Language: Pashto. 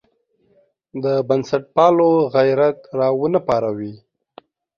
د بنسټپالو غیرت راونه پاروي.